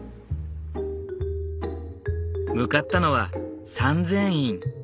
向かったのは三千院。